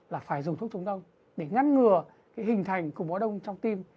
là phải dùng thuốc trung tâm để ngăn ngừa hình thành củng bó đông trong tim